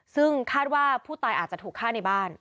ซึ่งคาดว่าผู้ตายอาจจะถูกฆ่าในบ้าน